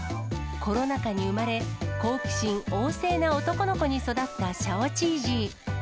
コロナ禍に産まれ、好奇心旺盛な男の子に育ったシャオチージー。